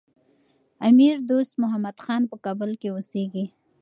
امیر دوست محمد خان په کابل کي اوسېږي.